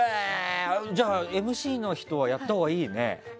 じゃあ、ＭＣの人はやったほうがいいね。